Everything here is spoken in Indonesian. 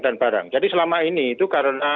dan barang jadi selama ini itu karena